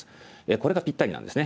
これがぴったりなんですね。